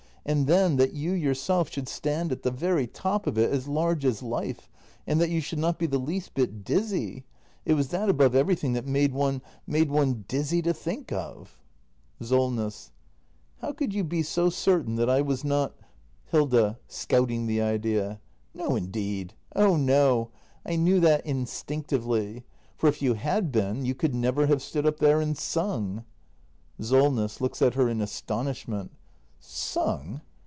And then, that you yourself should stand at the very top of it, as large as life ! And that you should not be the least bit dizzy! It was that above everything that made one — made one dizzy to think of. Solness. How could you be so certain that I was not ? act i] THE MASTER BUILDER 299 Hilda. [Scouting the idea.] No indeed! Oh no! I knew that instinctively. For if you had been, you could never have stood up there and sung. SOLNESS. [Looks at her in astonishment.] Sung?